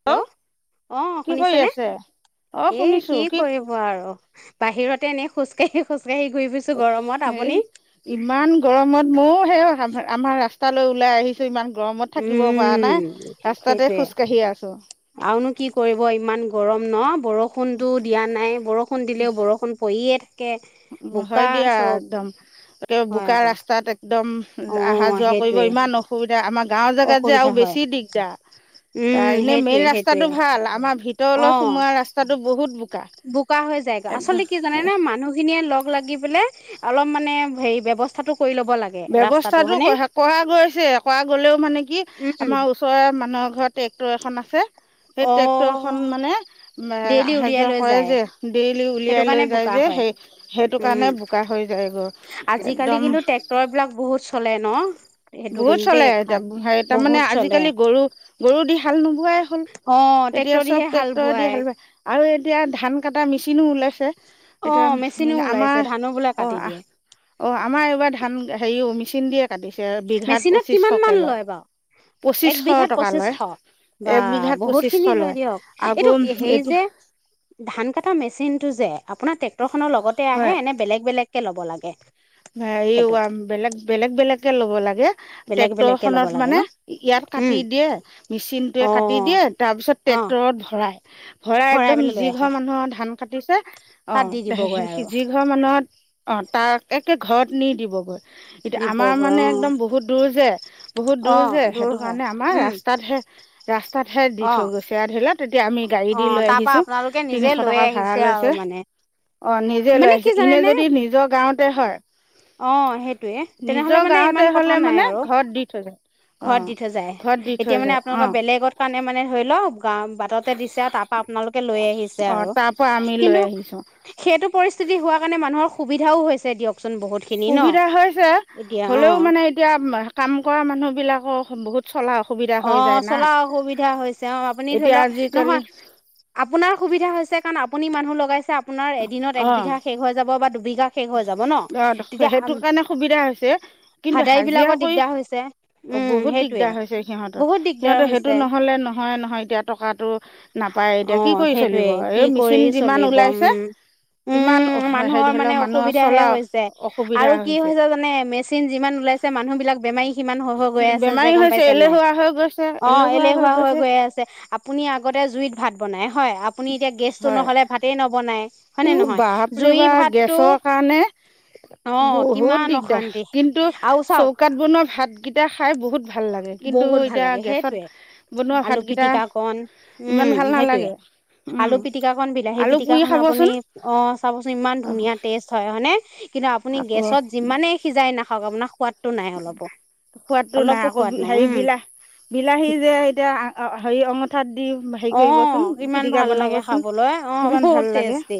Hello অ', কি কৰি শুনিছা নে? আছে অ এ শুনিছো কি কৰিম আৰু বাহিৰতে এনেই খোজকাঢ়ি খোজকাঢ়ি গুৰি ফুৰ এই ইমান গৰমত ময়ো সেই আমা আমাৰ ৰাস্তালৈ ওলাই আহি ইমান গৰমত থাকিব পাৰা উম নাই ৰাস্তাতে সেইটোৱে খোজ কাঢ়ি আছোঁ। আৰুনো কি কৰিব ইমান গৰম ন' বৰ ষুণটো দিয়া নাই, বৰষুণ দিলেও বৰষুণ পৰিয়ে থাকে। হয়, বোকা দিয়া চব একদম একে হয় বোকা আকৌ ৰাস্তাত একদম অ আহা যোৱা কৰিব সেইটোৱে ইমান অসুবিধা আমাৰ গাঁৱৰ জেগাত যে আৰু অসুবিধা হয় বেছি দিগদাৰ। আ, উম এনে মেইন সেইটোৱে সেইটোৱে ৰাস্তাটো ভাল, আমাৰ অ ভিতৰলৈ সোমোৱা ৰাস্তাটো বহুত বোকা। বোকা হৈ যায়গৈ একদম আচলতে কি জানেনে মানুহ খিনিয়ে লগ লাগি অলপ মানে হেৰি ব্যৱস্থাটো কৰি ল'ব লাগ ব্যৱস্থাটো কৰা গৈছে কৰা গ'লেও মানে কি উম আমাৰ ওচৰৰে মানুহ এঘৰত ট্ৰেক্টৰ এখন আছে সেই ট্ৰেক্টৰ খন অ', মানে উম, ডেইলি আহা উলিয়াই যোৱা লৈ কৰে যায় যে, ডেইলি সেইটো উলিয়াই কাৰণে লৈ যায় বোকা যে হয়। সেই সেইটো উম, কাৰণে বোকা হৈ যায় গৈ। আজিকালি কিন্তু ট্ৰেক্টৰ বিলাক বহুত চলে ন? সেইটো বহুত কিন্তু দেই চলে এতিয়া ভাল। হেৰি তাৰমানে বহুত চলে আজিকালি গৰু গৰু দি হাল নোবোৱাই হ'ল, অ', এতিয়া ট্ৰেক্টৰ দিহে চব হাল ট্ৰেক্টৰে দি বোৱাই হাল বাই। আৰু এতিয়া ধান কাটা মেচিনো ওলাইছে, এতিয়া অ', মেচিনো ওলাইছে আমাৰ ধানো বোলে অ', কাটি আহ দিয়ে। অ', আমাৰ এইবাৰ ধান, হেৰি মেচিন দিয়ে কাটিছে। বিঘাত মেচিনত কিমান পঁচিছশকৈ মান লয় বাৰু, এক পঁচিছশ বিঘাত টকা লয় পঁচিছশ। বা এক বিঘাত বহুত পঁচিছশ খিনি লয় দিয়ক, আকৌ এইটো হেৰী এতিয়া যে ধান কটা মেচিনটো যে, আপোনাৰ ট্ৰেক্টৰ খনৰ লগতে আহে, নে বেলেগ, বেলেগকে ল'ব লাগে। হেৰী সেইটো বেলেগ, বেলেগ, বেলেগকে ল'ব লাগে। বেলেগ ট্ৰেক্টৰ বেলেগকে ল'ব খনত লাগে মানে, ন? ইয়াত উম, কাটি দিয়ে, মেচিনটোয়ে কাটি অ', দিয়ে, তাৰপিছত অ'। ট্ৰেক্টৰত ভৰাই, ভৰাই একদম পেলাই লৈ যি আহে ঘৰ মানুহৰ ধান কাটিছে, তাত দি দিবগৈ অ', আৰু যি ঘৰ মানুহত অ', তাকে একে ঘৰত নি দিবগৈ। এতিয়া আমাৰ দিবগৈ অ মানে একদম বহুত দূৰ যে, বহুত অ দূৰ যে, সেইটো হয় কাৰণে আমাৰ উম ৰাস্তাতহে ৰাস্তাতহে দি অ থৈ গৈছে আৰু, ধৰি লওক তেতিয়া আমি গাড়ী দি লৈ আহিছোঁ, তিনিশ টকা। ভাড়া দিছে লৈছে আৰু মানে। অ', নিজে লৈ মানে কি আহিছে, ইনে জানেনে যদি নিজৰ গাঁৱতে হয় অ', সেইটোৱে তেনেহ'লে নিজৰ মানে, গাঁৱতে ইমান কথা হ'লে নাই মানে আৰু। ঘৰত দি থৈ যায় ঘৰত অ', দি থৈ যায়, ঘৰত দি থৈ এতিয়া মানে যায় আপোনালোকৰ, অ', বেলেগৰ কাৰণে মানে ধৰি লওঁক গাওঁ বাততে দিছে, আৰু তাৰ পৰা আপোনালোকে লৈ আহিছে অ', আৰু, তাৰ পৰা আমি লৈ কিন্তু আহিছোঁ সেইটো পৰিস্থিতি হোৱা কাৰণে, মানুহৰ সুবিধাও হৈছে দিয়কচোন বহুত। খিনি ন সুবিধা হৈছে, এতিয়া অ হ'লেও মানে, এতিয়া কাম কৰা মানুহবিলাকৰ বহুত চলা অসুবিধা। হৈ অ', যায় না চলা অসুবিধা হৈছে অ', আপুনি ধৰি এতিয়া লওঁক, আজিকালি নহয় আপোনাৰ সুবিধা হৈছে কাৰণ, আপুনি মানুহ লগাইছে, আপোনাৰ এদিনত এক বিঘা শেষ হৈ যাব বা দুবিঘা শেষ হৈ যাব ন এ তেতিয়া সেইটো কাৰণে সুবিধা হৈছে, কিন্তু ভাদাই হাজিৰা বিলাকৰ কৰি দিগদাৰ হৈছে অ', উম বহুত সেইটোয়ে দিগদাৰ হৈছে সিহঁতৰ। বহুত দিগদাৰ সিহঁতে, সেইটো হৈছে নহ'লে নহয় নহয় এতিয়া, টকাটো নাপায় এতিয়া অ কি কৰি চলিব, সেইটোয়ে কি এই কৰি মেচিন চলিব উম। কিমান অশ হেৰি ধৰিলও মা সুবিধাহে হৈছে। আৰু কি হৈছে জানে, মেচিন যিমান ওলাইছে, মানুহ বিলাক বেমাৰী সিমান হৈ, হৈ গৈ আছে যে। বেমাৰী গম হৈছে পাইছে এলেহুৱা হৈ গৈছে অ' এলেহুৱা হৈ গৈছে গৈ আছে, আপুনি আগতে জুইত ভাত বনাই হয়, আ আপুনি এতিয়া, গেছটো হয় নহ'লে ভাতেই নবনাই হয়নে ইও নহয়। বাপৰে জুইৰ বা ভাতটো গেছৰ কাৰণে অ', বহুত কিমান দিগদাৰ অশান্তি, কিন্তু আৰু চাওঁক চৌকাত বনোৱা ভাতকেইটা খাই বহুত ভাল লাগে, কিন্তু বহুত ভাল এতিয়া লাগে গেছত সেইটোৱে বনোৱা আলু ভাতকেইটা, পিটিকা কণ ইমান উম ভাল সেইটোৱে নালাগে। উম আলু পিতিকাখন, বিলাহী আলু পিতিকা পুৰি খন, আপুনি খাবচোন অ', চাবচোন ইমান অ ধুনীয়া টেষ্ট হয়, হয়নে। কিন্তু, আপুনি আকৌ গেছত যিমানেই সিজাই নাখাওক আপোনাৰ সোৱাদ সোৱাদটো নাই, আকৌ সোৱাদ হেৰি উম বিলাহী বিলাহী যে, এতিয়া আ হেৰি অঙ অ', ইমান ভাল লাগে বনাবচোন খাবলৈ, অ', কিমান ভাল বহুত লাগে টেষ্টি।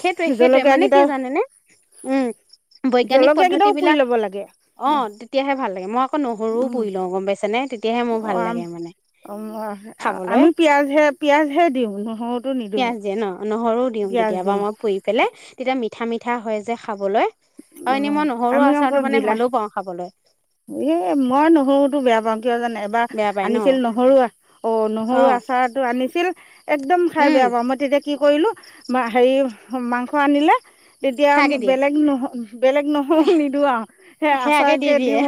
সেইটোৱে, সেইটোৱে মানে কি জলকীয়াকেইটা জানেনে, উম, বৈজ্ঞানিক পদ্ধতি জলকীয়াকেইটাও পুৰি বিলাক ল'ব লাগে অ', তেতিয়াহে ভাল লাগে, মই আকৌ নহৰুও উম পুৰি লওঁ গম পাইছে নে। তেতিয়াহে মোৰ ভাল লাগে অ', মানে অ', খাবলৈ আমি পিয়াজহে, পিয়াজহে দিওঁ নহৰুত। পিয়াঁজ দিয়ে ন, নহৰু দিওঁ কেতিয়াবা মই পুৰি পেলাই তেতিয়া মিঠা, মিঠা হয় যে খাবলৈ। অ', এনে মই, নহৰু আচাৰটো মানে ভালো পাওঁ খাবলে। এ মই নহৰুতো বেয়া পাওঁ, কিয় জানে, এবাৰ বেয়া পাই ন আনিছিল নহৰু অ', অ নহৰু আচাৰটো আনিছিল একদম খাই উম বেয়া পাওঁ মই তেতিয়া কি কৰিলোঁ বা হেৰি মাংস আনিলে তেতিয়া সেয়াকে দিয়ে বেলেগ নহ বেলেগ নহৰু নিদিওঁ আৰু সেই সেয়াকে দি আচাৰকে দিওঁ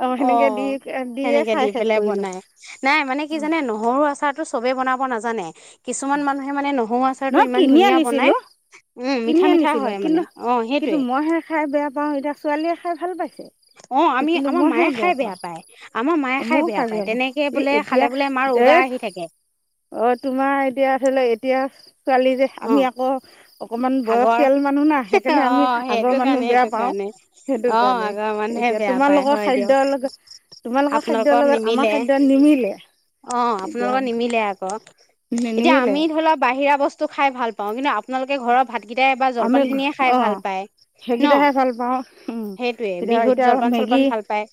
আৰু সেনেকৈ দি অ', দিয়ে সেনেকে দি খাই শেষ পেলাই কৰিলোঁ বনাই নাই মানে কি জানে নহ নহৰু আচাৰটো চবেই বনাব নাজানে কিছুমান মানুহে মানে নহৰু আচাৰটো নহয় ইমান কিনি ধুনীয়া বনায় আনিছিলোঁ উম, কিনি মিঠা, মিঠা আনিছিলোঁ হয়। মানে কিন্তু, অ কিন্তু সেইটোয়ে মইহে খাই বেয়া পাওঁ, এতিয়া ছোৱালীয়ে খাই ভাল পাইছে। অ', আমি কিন্তু আমাৰ মইহে মায়ে খাই বেয়া পাওঁ পায় আমাৰ মায়ে খাই ময়ো বেয়া পায় পাওঁ তেনেকে ই বোলে খালে বোলে মাৰ উগাৰ আহি থাকে। থাকে। অ', তোমাৰ এতিয়া ধৰি লোৱা এতিয়া ছোৱালীযে অ আমি আকৌ অকমান আগৰ বয়সীয়াল মানুহ ন সেইকাৰণে আমি অ', আগৰ সেইটো কাৰণে মানুহ বেয়া সেইটো পাওঁ কাৰণে সেইটো অ', কাৰণেই। আগৰ মানুহে এতিয়া বেয়া পায় তোমালোকৰ হয় দিয়ক। খাদ্যৰ লগত তোমালোকৰ খাদ্যৰ আপোনালোকৰ লগত নিমিলে আমাৰ খাদ্য নিমিলে। অ', এতিয়া আপোনালোকৰ নিমিলে আকৌ এতিয়া নিমিলে আমি ধৰি লওক বাহিৰা বস্তু খাই ভাল পাওঁ কিন্তু আপোনালোকে ঘৰৰ ভাতকেইটাই বা আমি জলপান খিনিয়ে খাই অঁ ভাল পায়। ন সেইকেইটাহে ভাল পাওঁ, উ সেইটোয়ে এতিয়া, বিহুত এতিয়া জলপান চলপান মেগী ভাল পায়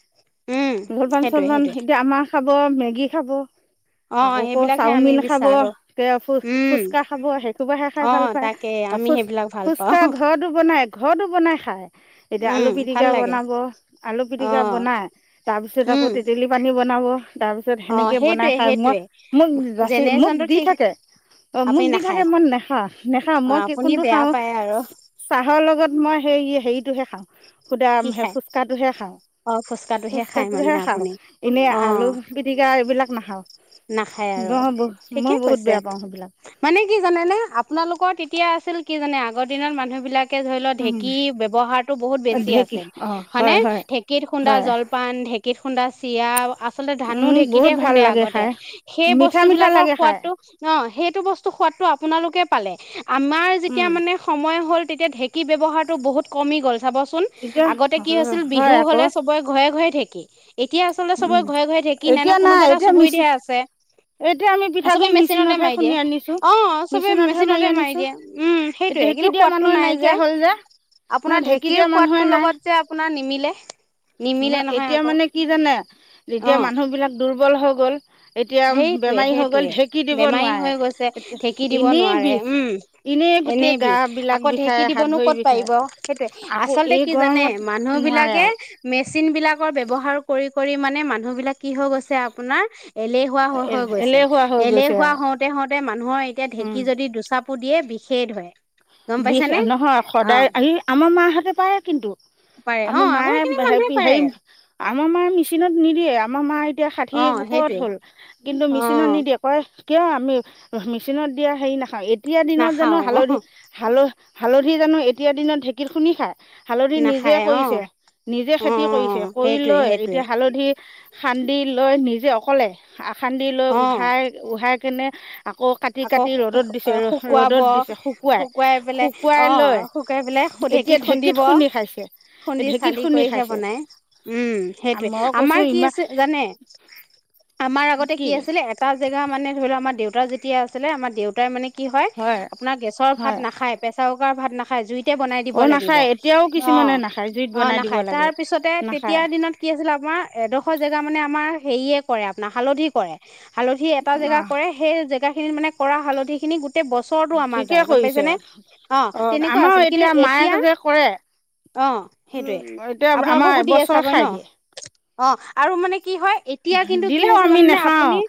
উম। জলপান সেইটোৱে চলপান সেইটোৱে এতিয়া আমাৰ খাব মেগী খাব। অ', আকৌ কৰ সেইবিলাকহে আমি চাওমিন খাব বিচাৰো কে ফু উম। ফুচকা খাব সেইখোপাহে খাই অ', ভাল পায়। তাকে আৰু আমি ফুচ সেইবিলাক ভাল পাওঁ ফুচকা ঘৰতো বনাই ঘৰতো বনাই খাই। এতিয়া উম আলু ভাল পিটিকা লাগে বনাব আলু পিটিকা অ'। বনাই তাৰপিছত আকৌ উম তেতেলী পানী বনাব তাৰ পিছত অ', সেনেকে বনাই সেইটোৱে খাই, মই সেইটোৱে মোক জাচি মোক জেনেৰেশ্যনটো দি ঠিক থাকে। অ', মোক আপুনি দি থাকে নাখায় মই নেখা নেখা অ মই আপুনি কোনটো বেয়া খাওঁ পায় আৰু চাহৰ লগত মই সেই হেৰিটোহে খাওঁ। খুধা কি সেই খায় ফুচকাটোহে খাওঁ অ খায় মানে ফুচকাটোহে খাওঁ আপুনি এনেই অ আলু পিটিকা এইবিলাক নাখাওঁ নাখায় ম আৰু বহ ঠিকে মই বহুত কৈছে বেয়া পাওঁ সেইবিলাক। মানে কি জানে নে আপোনালোকৰ তেতিয়া আছিল কি জানে আগৰ দিনত মানুহ বিলাক উম, ঢেঁকীৰ ব্যবহাৰটো বহুত বেছি ঢেঁকী আছিল, অঁ হয়নে হয় হয় ঢেঁকীত খুন্দা হয় জলপান পান ঢেঁকীত খুন্দা চিৰা আচলতে ধানো উম ঢেঁকীতে বহুত ভাল খুন্দে লাগে আগতে খাই সেই মিঠা বস্তু মিঠা বিলাকৰ লাগে খাই সোৱাদটো সেইটো বস্তু খোৱাদটো আপোনালোকে পালে আমাৰ যেতিয়া উম মানে সময় হ'ল তেতিয়া ঢেঁকী ব্যাৱহাৰটো বহুত কমি গ'ল চাবচোন এতিয়া আগতে কি হৈছিল হয় বিহু আকৌ হ'লে চবৰে ঘৰে, ঘৰে ঢেকী এতিয়া আচলতে চবৰে উম ঘৰে, ঘৰে ঢেকি নাই এতিয়া না কোনোবা এটা এতিয়া মিচি চুবৰীতে আছে। এতিয়া আমি পিঠাগুড়ি মেচিনতে মেচিনতহে মাৰি খুন্দি দিয়ে আনিছোঁ অ', চবে মেচিনতহে মেচিনতে মাৰি আনিছোঁ দিয়ে উম সেইটোয়ে ঢেঁকী কিন্তু দিয়া সোৱাদটো মানুহে নাই নাইকিয়া যে। হ'ল ন আপোনাৰ ঢেঁকী ঢেঁকীৰ দিয়া মানুহে সোৱাদটোৰ নাই লগত যে আপোনাৰ নিমিলে। ন নিমিলে নহয় এতিয়া আকৌ মানে কি জানে এতিয়া অ'। মানুহ বিলাক দুৰ্বল হৈ গল। এতিয়া সেইটোৱে, বেমাৰী হৈ গ'ল সেইটোৱে ঢেঁকি দিব বেমাৰী নোৱাৰে হৈ গৈছে, ঢেঁকী দিব এনেই নোৱাৰে বিষ উম গোটেই এনেই গা বিষ বিলাক আকৌ ঢেঁকী বিষায় হাত দিবনো ভৰি ক'ত বিষায় পাৰিব সেইটোয়ে আকৌ আচলতে এই কি জানে গৰমত মানুহ নোৱাৰে বিলাকে আৰু মেচিন বিলাকৰ ব্যৱহাৰ কৰি, কৰি মানে মানুহ বিলাক কি হৈ গৈছে আপোনাৰ হোৱা হৈ, হৈ গৈছে এলেহুৱা হৈ গৈছে এলেহুৱা আৰু হওঁতে, হওঁতে মানুহৰ এতিয়া উম ঢেঁকী যদি দুচাপ দিয়ে বিষেই ধৰে। গম বিষ পাইছানে? নহয় অ' সদায় এই আমাৰ মাহাহঁতে পাৰে কিন্তু পাৰে আমা অ' আগৰ খিনি মানুহে মায়ে পাৰে হেই আমাৰ মা মেচিনত নিদিয়ে আমাৰ মা এতিয়া ষাঠি অ' ওপৰত সেইটোৱে হ'ল, কিন্তু মেচিনত অ' নিদিয়ে। হয় কিয় আমি মেচিনত দিয়া হেৰি নাখাওঁ এতিয়া দিনত জানো নাখাও হালধি অ' হাল হালধি জানো এতিয়া দিনত ঢেঁকীত খুন্দি খায়। হালধি নিজে নাখায় কৰিছে অ' নিজে খেতি কৰিছে অ' কৰি সেইটোৱে লৈ সেইটোৱে এতিয়া হালধি খান্দি লৈ নিজে অকলে খান্দি লৈ অ' উহাই উহাই কেনে আকৌ কাটি আকৌ কাটি ৰ'দত দিছে ৰ শুকুৱাব ৰ'দত দিছে শুকুৱাই পেলাই শুকুৱাই অ' লয় শুকুৱাই পেলাই এতিয়া ঢেঁকীত খুন্দিব খুন্দি খাইছে। খুন্দি ঢেঁকীত চালি খুন্দি কৰিহে খাইছে বনাই উম সেইটোৱে মই কৈছোঁ আমাৰ কি ইমান আছে জানে। আমাৰ আগতে কি আছিলে এটা জেগা মানে ধৰি লও আমাৰ দেউতা যেতিয়া আছিলে আমাৰ দেউতাই মানে কি হয় আপোনাৰ গেছৰ ভাত হয় নাখায়, প্ৰেচাৰ কুকাৰ ভাত নাখায়, জুই তে বনাই দিব অ লাগিব। নাখায় এতিয়াও অ কিছুমানে নাখায় জুইত অ বনাই দিব নাখায় লাগে তাৰপিছতে তেতিয়া নাখায় দিনত কি আছিল আমাৰ এডোখৰ জেগা মানে আমাৰ হেৰিয়ে কৰে আপোনাৰ হালধি কৰে। হালধি এটা জেগা অঁ কৰে সেই জেগা খিনিত মানে কৰা হালধি খিনি গোতেই ব ছৰটো আমাৰ ঠিকে যায় গম পাইছে কৰিছে নে, অ অঁ তেনেকুৱা আমাৰ আছিল। কিন্তু মায়ে এতিয়া যে কৰে অঁ সেইটোয়ে এতিয়া আমাৰ আপোনালোককো দিয়ে এবছৰ চাগৈ খাই ন? দিয়ে অঁ আৰু মানে কি হয় এতিয়া কিন্তু কি দিলেও হৈছে আমি জানানে নাখাওঁ আপুনি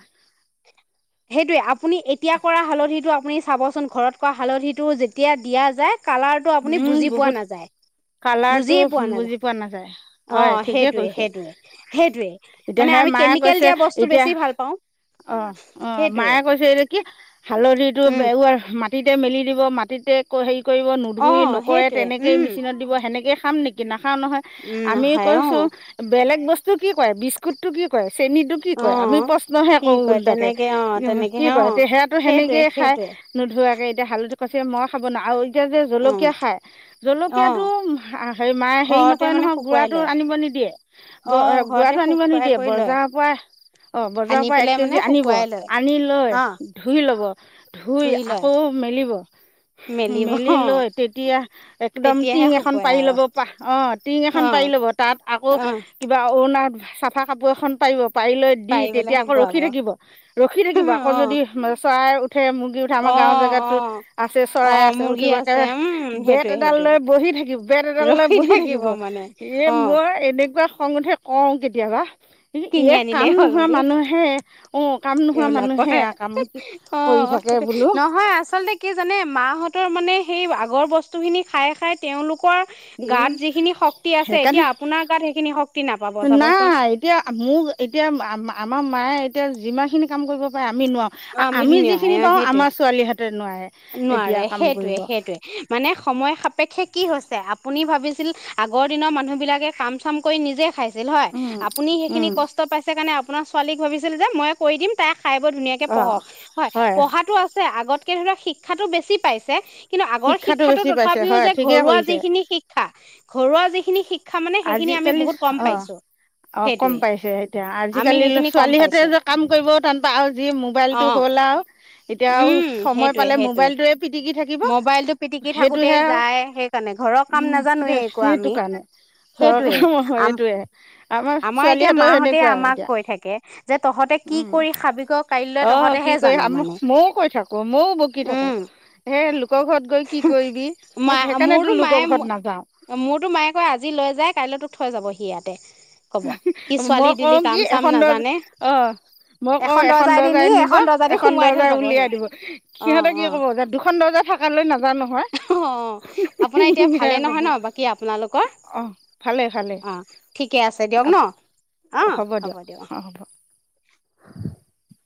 সেইটোয়ে আপুনি এতিয়া কৰা হালধিটো আপুনি চাবচোন ঘৰত কৰা হালধিটো যেতিয়া দিয়া যায় কালাৰটো আপুনি উম বুজি পোৱা বহুত নাযায়। কালাৰটো বুজিয়ে পোৱা বুজি পোৱা নাযায় নাাজায়। হয় অ ঠিকে সেইটোয়ে কৈছে সেইটোয়ে সেইটোৱে। এতিয়া মানে সেই আমি কেমিকেল দিয়া বস্তু বেছি ভাল পাওঁ। অ অ সেইটোৱে মায়ে কৈছে কি হালধিটো উম মাটিতে মেলি দিব মাটিতে হেৰি কৰিব ধুই অ' নকৰে সেইটোৱে তেনেকেই উম মেচিনত দিব সেনেকেই খাম নেকি নাখাওঁ নহয় উম আমি নাখায় অ' কৈছোঁ বেলেগ বস্তু কি কৰে বিস্কুতটো কি কৰে চেনিটো কি অ' কৰে আমি প্ৰশ্নহে কি কৰো কয় ওলটাকে তেনেকে অ' কি তেনেকেহে কৰে অ' এ সেয়াটো সেইটোৱে সেনেকেই খাই সেইটোৱে নোধোৱাকে এতিয়া হালধি কৈছো মই খাব নোৱাৰো আৰু এতিয়া যে জল কীয়া অ' খায় জলকীয়াটো অ' হ মায়ে হেৰি ঘৰতে নকৰে মানে নহয় শুকুৱাই গুড়াটো লয় আনিব নিদিয়ে। গ অ' ঘৰতে গুৰাটো আনিব শুকুৱাই নিদিয়ে কৰি লয় বজাৰৰ পৰা অ বজাৰৰ আনি পৰা এক পেলাই মানে কেজি আনিব শুকুৱাই লয় আনি লৈ অ' ধুই লব ধুই আকৌ মেলিব। মেলিব অঁ। এতিয়া একদম টিং এখন পাৰি ল'ব পাহ অ টিং এখন অ পাৰি ল'ব তাত আকৌ অ কিবা অৰুণা চাফা কাপোৰ এখন পাৰিব পাৰিলৈ দি পাৰিবলৈ তেতিয়া আকৌ শুকুৱাব ৰখি অ থাকিব ৰখি থাকিব আকৌ যদি চৰাই উঠে মুৰ্গী উঠে অ আমাৰ গাঁৱৰ জেগাতো অ আছে অ চৰাই আছে মুৰ্গী উঠিব আছে একেবাৰে উম বেট সেইটোৱে এডাল সেইটোৱে লৈ বহি থাকিব বেট এডাল লৈ ৰখি বহি থাকিব। মানে এ অ মই এনেকুৱা খং উঠে কওঁ কেতিয়াবা কি কিনি এ কাম আনিলেই হ'ল নোহোৱা বুলি মানুহে অ কাম নোহোৱা এইবিলাক মানুহে কয় এয়া কাম অ কৰি থাকে সেইটোয়ে বোলো নহয় আচলতে কি জানে মাহঁতৰ মানে সেই আগৰ বস্তুখিনি খাই খাই তেওঁলোকৰ এই গাত যিখিনি শক্তি আছে এতিয়া সেইকাৰণে আপোনাৰ গাত সেইখিনি শক্তি নাপাব চাবচোন। নাই এতিয়া মোৰ এতিয়া আমাৰ মায়ে এতিয়া যিমানখিনি কাম কৰিব পাৰে আমি অ নোৱাৰো। আমি মৃদুঞ্জয় যিখিনি অ পাৰো সেইটোৱে আমাৰ ছোৱালীহতে নোৱাৰে। নোৱাৰে এতিয়া কাম সেইটোৱে কৰিব সেইটোৱে। মানে সময় সাপেক্ষে কি হৈছে আপুনি ভাবিছিল আগৰ দিনৰ মানুহবিলাকে কাম চাম কৰি নিজে খাই ছিল হয় উম আপুনি সেইখিনি উম কষ্ট পাইছে কাৰণে আপোনাৰ ছোৱালীক ভাবিছিল যে মই কৰি দিম তাই খাই ব ধুনীয়াকে অ পঢ়ক, হয় পঢ়াটো আছে আগতকে ধৰক শি ক্ষাতটো বেছি পাইছে। কিন্তু আগৰ শিক্ষাটো বেছি পাইছে তথাপিও হয় যে ঠিকে ঘৰুৱা কৰিছে যিখিনি শিক্ষা, ঘৰুৱা যিখিনি মানে সেইখিনি আমি আজিকালি বহুত কম অ পাইছো অ কম সেইটোৱে পাইছে এতিয়া আমি আজিকালি সেইখিনি কম ছোৱালীহঁতে পাইছো যে কাম কৰিব টান পাই আও যি অ মোবাইলটো হ'ল আও এতিয়া আৰু উম সময় সেইটোৱে পালে সেইটোৱে মোবাইলটোৱে পিটিকি থাকি মোবাইলটো পিটিকি থাকোতেই যায় সেইকাৰণে ঘৰৰ কাম উম নাজানোৱে একোৱে সেইটো আমি। কাৰণে সেইটোৱে চৰকাৰ আ সেইটোৱে আমাৰ এতিয়া ছোৱালীহঁতৰ মাহঁতে সেনেকুৱাই আমাক এতিয়া কৈ থাকে যে তহঁতে কি উম কৰি খাবিক কাই ল অ কি তহঁতেহে কৰি জান আম মানে, ময়ো কৈ থাকো ময়ো বকি থাকো উম। সেই লোকৰ ঘৰত গৈ কি কৰিবি মা মই মোৰতো সেইকাৰণেতো মায়ে লোকৰ ঘৰত নাযাও। মোৰতো মায়ে কয় আজি লৈ যায় কাইলৈ তোক থৈ যাবহি ইয়াতে। কব কি ছোৱালী মই দিলি কওঁ কাম কি চাম এখন দ নাজানে অ মই কওঁ এখন দি নি দৰ্জাই নিব এখন দৰ্জা দি এখন সোমোৱাই থৈ দৰ্জাৰে যাবহি উলিয়াই দিব অ সিহঁতে অ কি কব যে, দুখন দৰ্জা থাক কালৈ নাযাওঁ নহয়। অ আপোনাৰ এতিয়া ভালে নহয় ক'ব ন বাকী আপোনালোকৰ? অ ভালে ভালে অ। ঠিকে আছে দিয়ক ন, অ হ'ব দিয়ক অ। [inaudible]